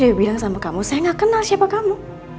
dia bilang sama kamu saya gak kenal siapa kamu